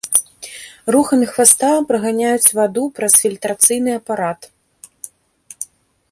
Рухамі хваста праганяюць ваду праз фільтрацыйны апарат.